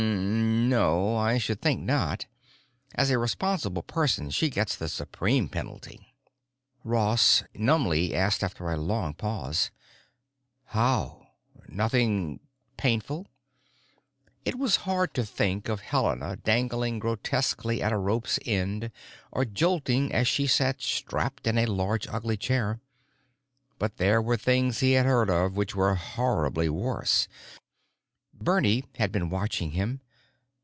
"Hmm—no, I should think not. As a responsible person, she gets the supreme penalty." Ross numbly asked after a long pause, "How? Nothing—painful?" It was hard to think of Helena dangling grotesquely at a rope's end or jolting as she sat strapped in a large, ugly chair. But there were things he had heard of which were horribly worse. Bernie had been watching him.